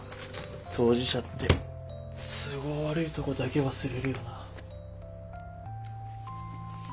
当事者って都合悪いとこだけ忘れるよな。